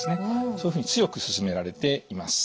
そういうふうに強く勧められています。